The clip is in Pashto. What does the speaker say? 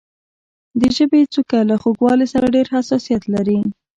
د ژبې څوکه له خوږوالي سره ډېر حساسیت لري.